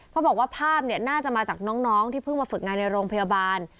ภาพน่าจะมาจากน้องที่เพิ่งมาฝึกงานในโรงพยาบาล